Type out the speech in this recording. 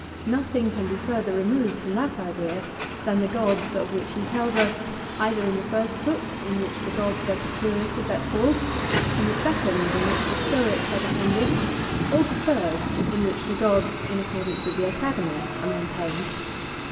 Nothing can be further removed from that idea than the gods of which he tells us, either in the first book, in which the gods of Epicurus are set forth ; in the second, in which the Stoics are defended ; or the third, in which the gods, in accordance with the Academy, are maintained.